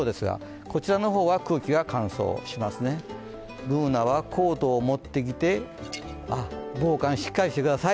Ｂｏｏｎａはコートを持ってきて防寒しっかりしてください。